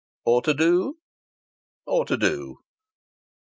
"Or to do?" "Or to do."